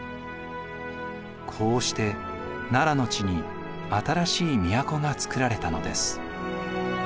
こうして奈良の地に新しい都がつくられたのです。